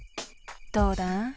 どうだ？